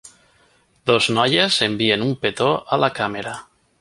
Dos noies envien un petó a la càmera.